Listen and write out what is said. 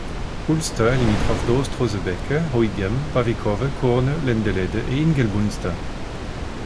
Hulste est limitrophe d'Oostrozebeke, Ooigem, Bavikhove, Kuurne, Lendelede et Ingelmunster.